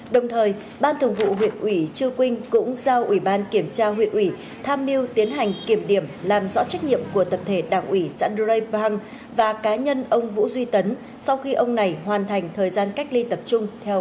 đồng thời ban thường vụ huyện ủy chư quynh cũng giao ủy ban kiểm tra huyện ủy tham mưu tiến hành kiểm điểm làm rõ trách nhiệm của tập thể đảng ủy xã du rây pang và cá nhân ông vũ duy tấn sau khi ông này hoàn thành thời gian cách ly tập trung